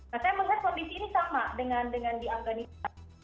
nah saya melihat kondisi ini sama dengan di afganistan